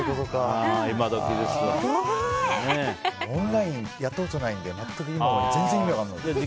オンラインやったことないので全然、意味分からなかったです。